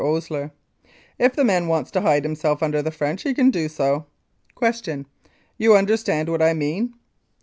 OSLER: If the man wants to hide himself under the French he can do so. Q. You understand what I mean?